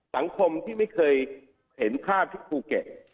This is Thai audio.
สังคมที่ไม่เคยเห็นภาพที่ภูเก็ต